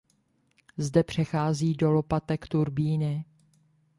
Zde přechází do lopatek turbíny.